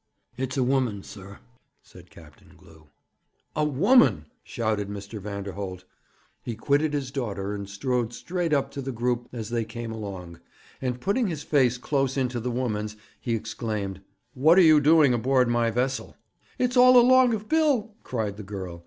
'It's a woman, sir,' said Captain Glew. 'A woman!' shouted Mr. Vanderholt. He quitted his daughter, and strode straight up to the group as they came along, and, putting his face close into the woman's, he exclaimed: 'What are you doing aboard my vessel?' 'It's all along of Bill!' cried the girl.